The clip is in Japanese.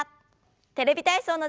「テレビ体操」の時間です。